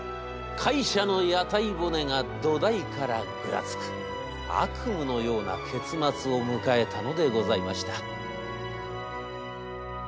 会社の屋台骨が土台からぐらつく悪夢のような結末を迎えたのでございました」。